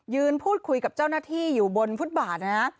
พูดคุยกับเจ้าหน้าที่อยู่บนฟุตบาทนะฮะ